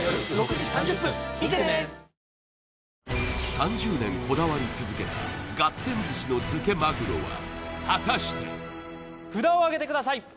３０年こだわり続けたがってん寿司の漬けまぐろは果たして札をあげてください